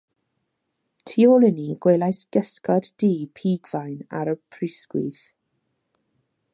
Tu ôl i ni gwelais gysgod du pigfain ar y prysgwydd.